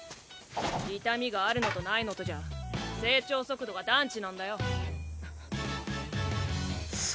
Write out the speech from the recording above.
痛みがあるのとないのとじゃ成長速度がダンチなんだよ。